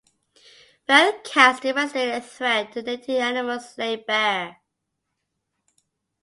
Feral cats' devastating threat to native animals laid bare.